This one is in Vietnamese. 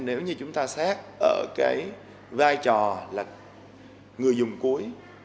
nếu như chúng ta xét ở cái vai trò là người dùng cuối